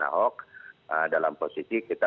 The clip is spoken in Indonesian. ahok dalam posisi kita